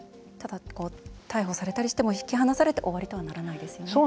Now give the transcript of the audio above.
逮捕されても引き離されて終わりとはならないですよね。